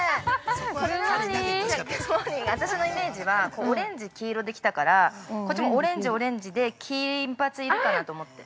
私のイメージは、オレンジ、黄色できたからこっちもオレンジオレンジで、金髪行くかなと思って。